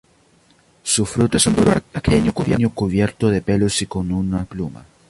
Su fruto es un duro aquenio cubierto de pelos y con un plumas.